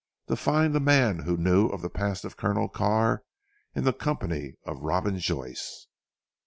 To find the man who knew of the past of Colonel Carr, in the company of Robin Joyce.